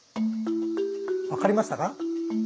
分かりましたか？